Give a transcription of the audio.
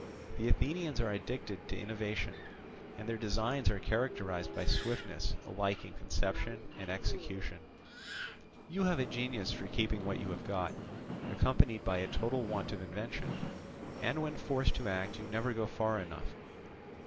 The Athenians are addicted to innovation, and their designs are characterized by swiftness alike in conception and execution; you have a genius for keeping what you have got, accompanied by a total want of invention, and when forced to act you never go far enough.